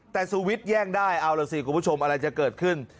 แต่สวิตช์แย่งได้เอาล่ะสิคุณผู้ชมอะไรจะเกิดขึ้น